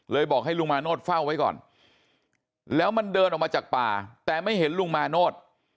บอกให้ลุงมาโนธเฝ้าไว้ก่อนแล้วมันเดินออกมาจากป่าแต่ไม่เห็นลุงมาโนธ